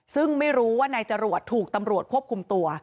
ซึ่งไม่รู้ว่านายจรวดถูกตำรวจควบคุมตัว